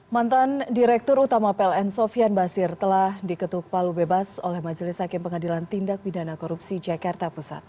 mantan direktur utama pln sofian basir telah diketuk palu bebas oleh majelis hakim pengadilan tindak pidana korupsi jakarta pusat